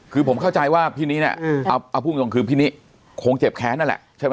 คือผมเข้าใจว่าพี่นี้เนี่ยเอาพูดตรงคือพี่นิคงเจ็บแค้นนั่นแหละใช่ไหม